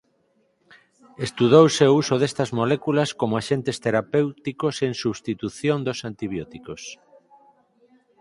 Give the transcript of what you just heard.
Estudouse o uso destas moléculas como axentes terapéuticos en substitución dos antibióticos.